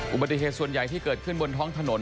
อุบัติเหตุส่วนใหญ่ที่เกิดขึ้นบนท้องถนน